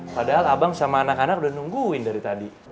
padahal abang sama anak anak udah nungguin dari tadi